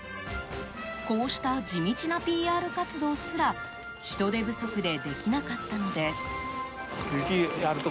こうした地道なＰＲ活動すら人手不足でできなかったのです。